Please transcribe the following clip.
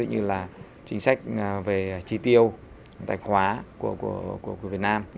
như là chính sách về chi tiêu tài khoá của việt nam